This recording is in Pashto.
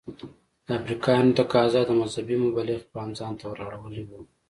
د افریقایانو تقاضا د مذهبي مبلغ پام ځانته ور اړولی و.